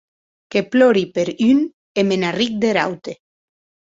Que plori per un, e me n’arric der aute.